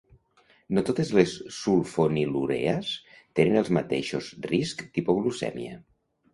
No totes les sulfonilureas tenen els mateixos riscs d'hipoglucèmia.